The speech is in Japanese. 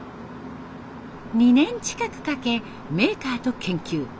２年近くかけメーカーと研究。